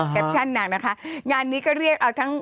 แคระชั่นน่าว่างานนี้ก็เรียกเอาทั้ง